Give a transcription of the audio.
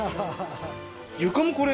床もこれ。